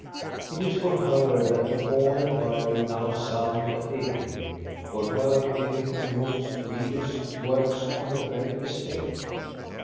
It is for her that the horn and violin now sound at Ekeby, — for her everything moves, breathes, works on the great estate.